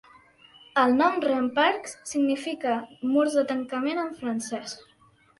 El nom "Remparts" significa murs de tancament en francès.